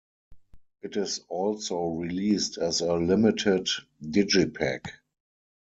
It is also released as a limited digipak.